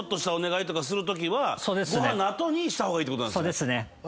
そうですね。